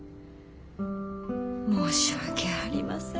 申し訳ありません。